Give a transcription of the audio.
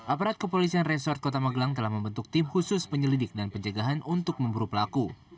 aparat kepolisian resort kota magelang telah membentuk tim khusus penyelidik dan penjagaan untuk memburu pelaku